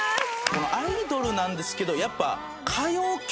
アイドルなんですけどやっぱ。